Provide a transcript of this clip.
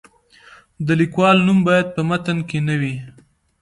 د لیکوال نوم باید په متن کې نه وي.